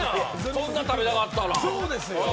そんなに食べたかったら。